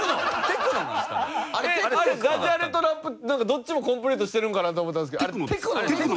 どっちもコンプリートしてるんかなって思ったんですけどあれテクノ？